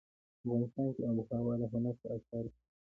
افغانستان کې آب وهوا د هنر په اثار کې دي.